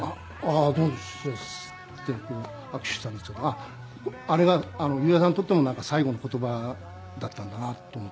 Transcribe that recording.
「ああどうも！」って握手したんですけどあれが裕也さんにとっての最後の言葉だったんだなと思って。